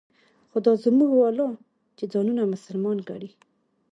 خو دا زموږ والا چې ځانونه مسلمانان ګڼي.